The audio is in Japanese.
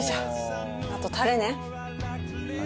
あとタレね。